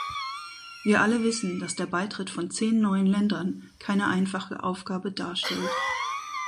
Wir alle wissen, dass der Beitritt von zehn neuen Ländern keine einfache Aufgabe darstellt.